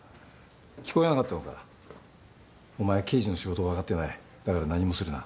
聞こえなかったのかお前は刑事の仕事をわかってないだから何もするな。